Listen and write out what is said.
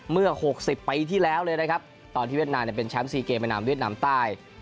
เมื่อ๖๐ปีที่แล้วเลยนะครับตอนที่เวียดนามเป็นแชมป์๔เกมเป็นนามเวียดนามใต้